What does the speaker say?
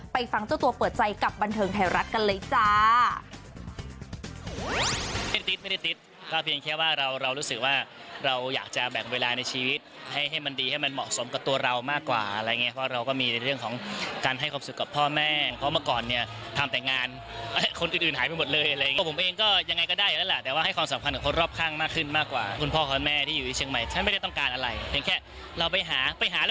ฟังเจ้าตัวเปิดใจกับบันเทิงไทยรัฐกันเลยจ้า